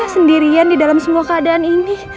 sendirian di dalam semua keadaan ini